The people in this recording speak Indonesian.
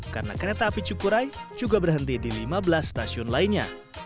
karena kereta api cukurai juga berhenti di lima belas stasiun lainnya